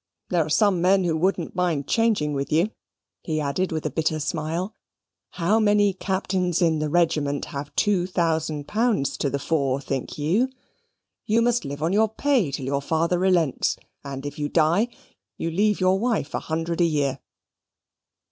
There are some men who wouldn't mind changing with you," he added, with a bitter smile. "How many captains in the regiment have two thousand pounds to the fore, think you? You must live on your pay till your father relents, and if you die, you leave your wife a hundred a year."